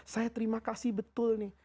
saya terima kasih betul nih